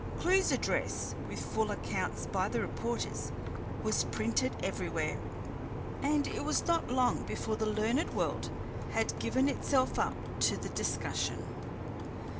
Clewe's address, with full accounts by the reporters, was printed everywhere, and it was not long before the learned world had given itself up to the discussion.